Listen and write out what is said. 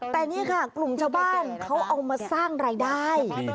แต่นี่ค่ะกลุ่มชาวบ้านเขาเอามาสร้างรายได้